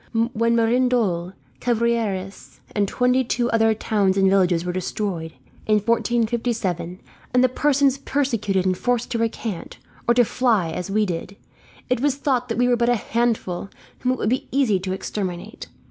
When Merindol, Cabrieres, and twenty two other towns and villages were destroyed, in 1547; and persons persecuted and forced to recant, or to fly as we did; it was thought that we were but a handful, whom it would be easy to exterminate.